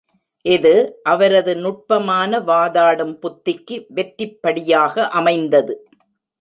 இது, அவரது நுட்பமான வாதாடும் புத்திக்கு வெற்றிப் படியாக அமைந்தது.